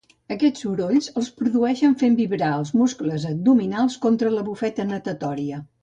Aquests sorolls els produeixen fent vibrar els muscles abdominals contra la bufeta natatòria.